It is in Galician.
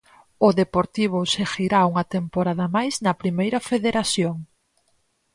O Deportivo seguirá unha temporada máis na Primeira Federación.